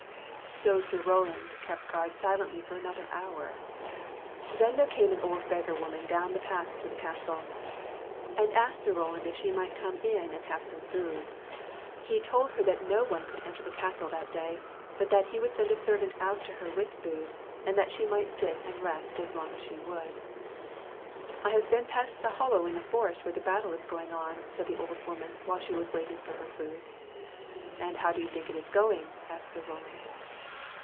So Sir Roland kept guard silently for another hour. Then there came an old beggar woman down the path to the castle, and asked Sir Roland if she might come 6 An old beggar woman came down the path Page 6 THE KNIGHTS OF THE SILVER SHIELD in and have some food. He told her that no one could enter the castle that day, but that he would send a servant out to her with food, and that she might sit and rest as long as she would. " I have been past the hollow in the forest where the battle is going on," said the old woman, while she was waiting for her food. " And how do you think it is going? " asked Sir Roland.